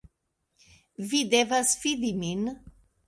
Vi devas fidi min.